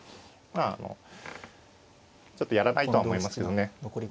まああのちょっとやらないとは思いますけどね。